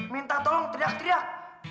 minta tolong teriak teriak